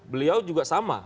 beliau juga sama